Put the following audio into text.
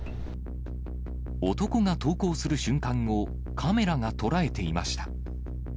男が投降する瞬間をカメラが捉えていました。